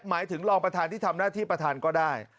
หมายถึงรองประธานที่ทำหน้าที่ประธานก็ได้